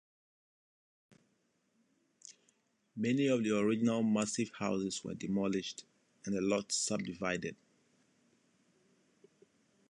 Many of the original massive houses were demolished and the lots subdivided.